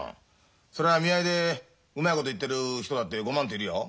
そりゃあ見合いでうまいこといってる人だってごまんといるよ。